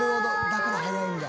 だから早いんだ。